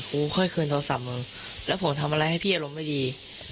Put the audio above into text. ค่อยคืนโทรศัพท์มึงแล้วผมทำอะไรให้พี่อารมณ์ไม่ดี